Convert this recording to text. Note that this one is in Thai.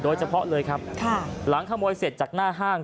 โดยเฉพาะเลยครับหลังขโมยเสร็จจากหน้าห้าง